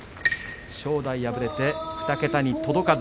正代、敗れて２桁に届かず。